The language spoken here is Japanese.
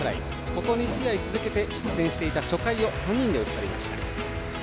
ここ２試合続けて失点していた初回を３人で打ち取りました。